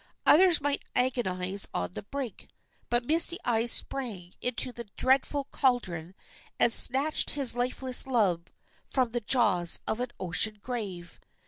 Others might agonize on the brink, but Misty Eyes sprang into the dreadful caldron and snatched his lifeless love from the jaws of an ocean grave.